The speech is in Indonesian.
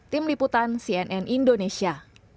tim liputan cnn indonesia